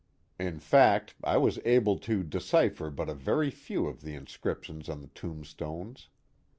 In fact, I was able to decipher but a very few of the inscriptions on the tombstones.